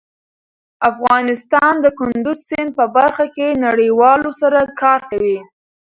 افغانستان د کندز سیند په برخه کې نړیوالو سره کار کوي.